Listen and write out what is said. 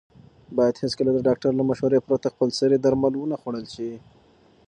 باید هېڅکله د ډاکټر له مشورې پرته خپلسري درمل ونه خوړل شي.